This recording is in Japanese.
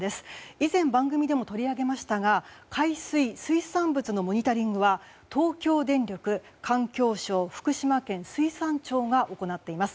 以前、番組でも取り上げましたが海水、水産物のモニタリングは東京電力、環境省、福島県水産庁が行っています。